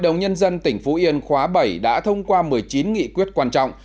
một mươi chín nghị quyết quan trọng